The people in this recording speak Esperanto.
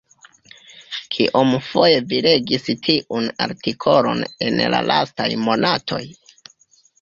Kiomfoje vi legis tiun artikolon en la lastaj monatoj?